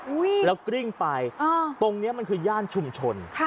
อุ้ยแล้วกริ่งไปตรงนี้มันคือย่านชุมชน